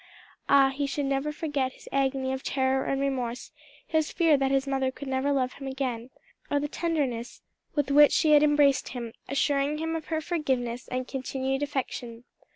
Ah, he should never forget his agony of terror and remorse, his fear that his mother could never love him again, or the tenderness with which she had embraced him, assuring him of her forgiveness and continued affection.